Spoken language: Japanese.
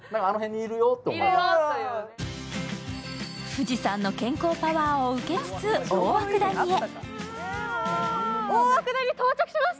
富士山の健康パワーを受けつつ大涌谷へ。